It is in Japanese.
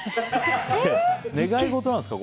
願い事なんですか？